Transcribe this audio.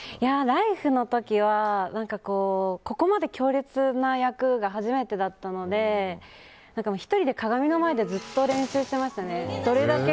「ライフ」の時はここまで強烈な役が初めてだったので１人で鏡の前でずっと練習してましたね。